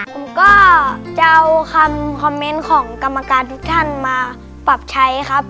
ผมก็จะเอาคำคอมเมนต์ของกรรมการทุกท่านมาปรับใช้ครับ